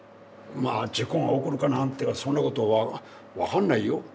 まあ事故が起こるかなんてはそんなこと分かんないよ。